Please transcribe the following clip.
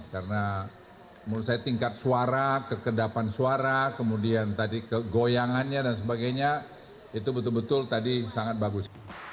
karena menurut saya tingkat suara kekendapan suara kemudian tadi kegoyangannya dan sebagainya itu betul betul tadi sangat bagus